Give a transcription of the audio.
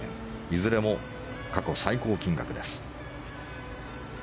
いずれも過去最高金額です。